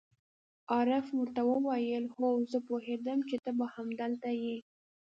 عارف ور ته وویل: هو، زه پوهېدم چې ته به همدلته یې.